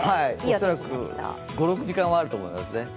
恐らく５６時間はあると思います。